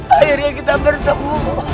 akhirnya kita bertemu